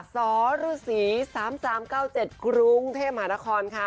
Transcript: สรศรี๓๓๙๗กรุงเทพมหานครค่ะ